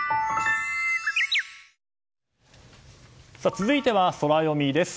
続いてはソラよみです。